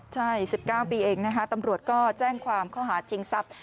ใช่๑๙ปีเองนะคะตำรวจก็แจ้งความข้อหาชิงทรัพย์